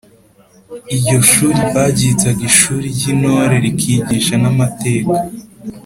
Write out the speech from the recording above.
iryo shuli baryitaga ishuri ry'intore rikigisha n’amateka